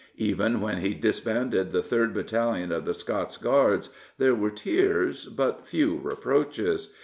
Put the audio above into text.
Even when he disbanded the 3rd Battalion of the Scots Guards, there were tears, but few reproaches.